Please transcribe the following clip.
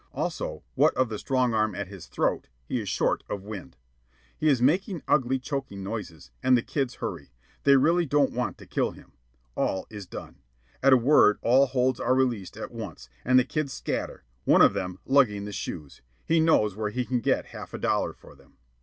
Also, what of the strong arm at his throat, he is short of wind. He is making ugly choking noises, and the kids hurry. They really don't want to kill him. All is done. At a word all holds are released at once, and the kids scatter, one of them lugging the shoes he knows where he can get half a dollar for them.